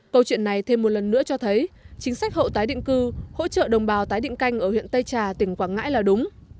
câu chuyện này thêm một lần nữa cho thấy chính sách hậu tái định cư hỗ trợ đồng bào tái định canh ở huyện tây trà tỉnh quảng ngãi là đúng